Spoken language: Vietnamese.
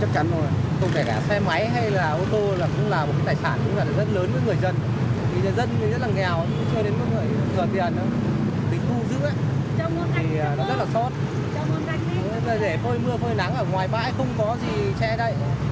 không có gì che đậy